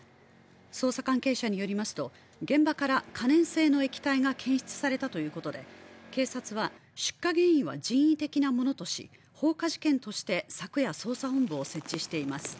捜査関係者によりますと現場から可燃性の液体が検出されたということで警察は、出火原因は人為的なものとし、放火事件として昨夜、捜査本部を設置しています。